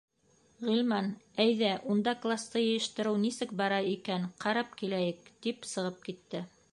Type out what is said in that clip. — Ғилман, әйҙә, унда класты йыйыштырыу нисек бара икән, ҡарап киләйек, -тип сығып китте.